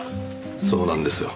そうなんですよ。